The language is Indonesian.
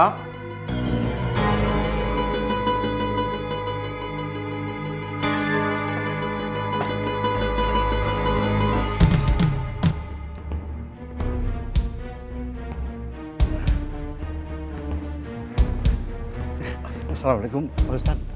assalamualaikum pak ustadz